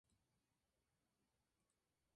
El gatillo de aluminio no tenía guardamonte.